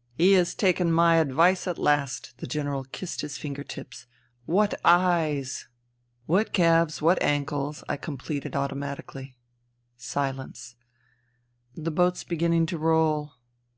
" He has taken my advice at last." The General kissed his finger tips. " What eyes !"" What calves I What ankles !" I completed automatically. Silence. " The boat's beginning to roll."